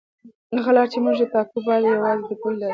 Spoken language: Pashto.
هغه لاره چې موږ یې ټاکو باید یوازې د پوهې لاره وي.